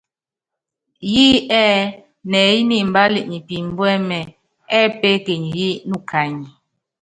Yí ɛ́ɛ nɛɛyɛ́ ni imbal nyɛ pimbuɛ́mɛ, ɛ́ɛ peekenyi yí nukany.